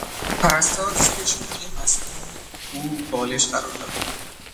پرستار زیر شانهی مصدوم او بالش قرار داد.